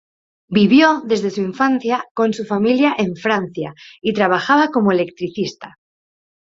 Vivió desde su infancia con su familia en Francia y trabajaba como electricista.